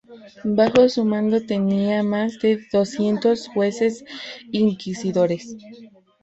Bajo su mando tenía más de doscientos jueces inquisidores.